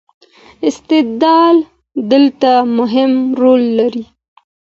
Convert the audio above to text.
استدلال دلته مهم رول لري.